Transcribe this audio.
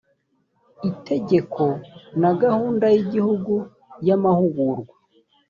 ltegeko na gahunda y igihugu y amahugurwa